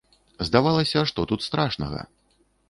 Здавалася, што тут страшнага?